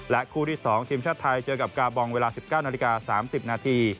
และคู่ที่๒ทีมชาติไทยเจอกับกาบองเวลา๑๙น๓๐น